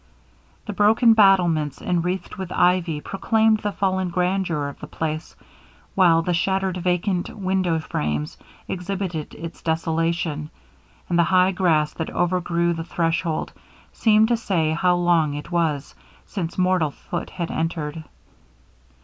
The broken battlements, enwreathed with ivy, proclaimed the fallen grandeur of the place, while the shattered vacant window frames exhibited its desolation, and the high grass that overgrew the threshold seemed to say how long it was since mortal foot had entered.